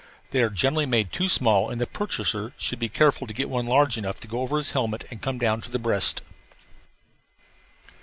They are generally made too small and the purchaser should be careful to get one large enough to go over his helmet and come down to the breast.